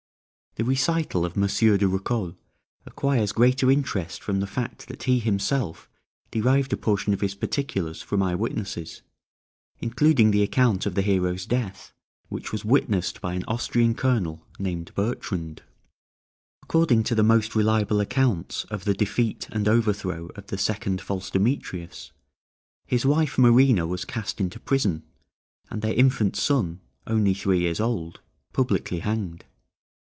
The recital of Monsieur de Rocoles acquires greater interest from the fact that he himself derived a portion of his particulars from eye witnesses, including the account of the hero's death, which was witnessed by an Austrian colonel named Bertrand. According to the most reliable accounts of the defeat and overthrow of the second false Demetrius, his wife Marina was cast into prison, and their infant son, only three years old, publicly hanged.